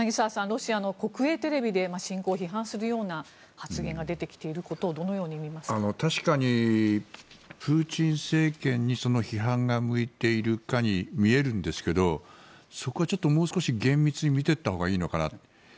ロシアの国営テレビで侵攻を批判するような発言が出てきていることを確かにプーチン政権にその批判が向いているかに見えるんですけどそこはちょっともう少し厳密に見ていったほうがいいのかなと。